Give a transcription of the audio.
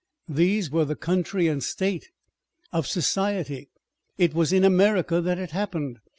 These were the country and state of society. It was in America that it happened.